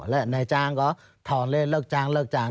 และนายจ้างก็ทอเล่นเลิกจ้างเลิกจ้าง